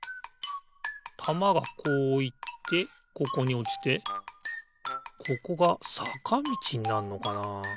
たまがこういってここにおちてここがさかみちになんのかな？